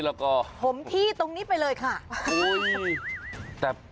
แล้วก็ผมที่ตรงนี้ไปเลยค่ะ